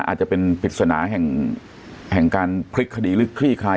อาจจะเป็นปริศนาแห่งการพลิกคดีหรือคลี่คลาย